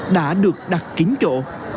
đã được đặt chín chỗ